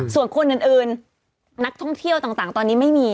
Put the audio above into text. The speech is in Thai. ส่วนคนอื่นนักท่องเที่ยวต่างตอนนี้ไม่มี